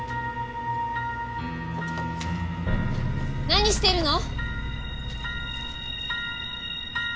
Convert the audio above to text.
何してるの！？